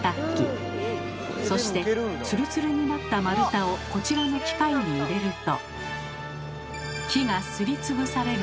そしてつるつるになった丸太をこちらの機械に入れると。